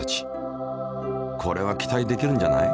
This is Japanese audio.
これは期待できるんじゃない？